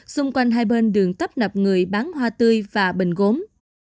xung quanh hai bên đường tấp nập người bán hoa tươi và bình gốm